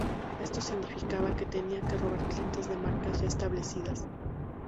Esto significaba que tenía que robar clientes de marcas ya establecidas.